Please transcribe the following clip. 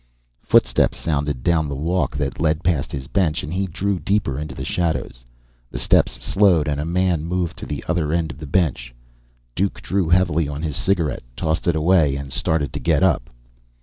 Footsteps sounded down the walk that led past his bench, and he drew deeper into the shadows. The steps slowed and a man moved to the other end of the bench. Duke drew heavily on his cigarette, tossed it away, and started to get up.